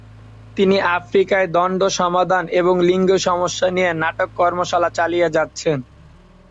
তিনি আফ্রিকায় দ্বন্দ্ব সমাধান এবং লিঙ্গ সমস্যা নিয়ে নাটক কর্মশালা চালিয়ে যাচ্ছেন।